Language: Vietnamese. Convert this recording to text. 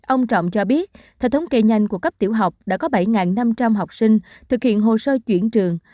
ông trọng cho biết theo thống kê nhanh của cấp tiểu học đã có bảy năm trăm linh học sinh thực hiện hồ sơ chuyển trường